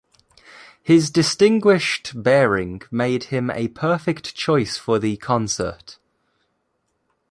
His distinguished bearing made him a perfect choice for the concert.